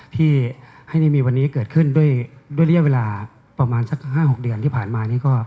ที่ให้นี่มีวันนี้เกิดขึ้นด้วยระยะเวลาประมาณสัก๕๖เดือนที่ผ่านมานี่ก็